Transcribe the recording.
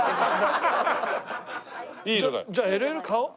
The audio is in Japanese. じゃあＬＬ買おう。